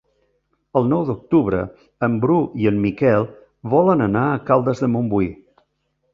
El nou d'octubre en Bru i en Miquel volen anar a Caldes de Montbui.